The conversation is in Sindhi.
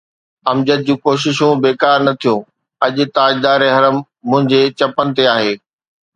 امجد جون ڪوششون بيڪار نه ٿيون، اڄ ”تاجدار حرم“ منهنجي چپن تي آهي.